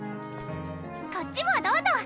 こっちもどうぞ！